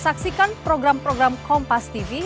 saksikan program program kompetennya di kompas tv berikutnya